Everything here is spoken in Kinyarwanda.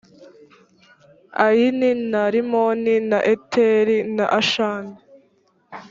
ayini na rimoni na eteri na ashani.